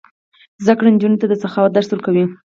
زده کړه نجونو ته د سخاوت درس ورکوي.